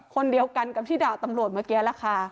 คนเดียวกันกับที่ด่าตำรวจเมื่อกี้ล่ะค่ะ